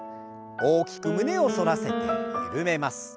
大きく胸を反らせて緩めます。